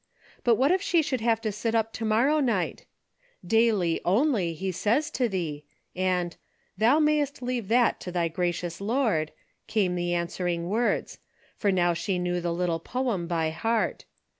But what if she should have to sit up to mor row night ? Daily, only, he says to thee," and '' Thou mayest leave that to thy gracious Lord," came the answering words, for now she knew the little poem by heart.